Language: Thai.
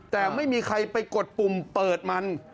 แต่ไม่มีใครไปกดปุ่มเปิดมัน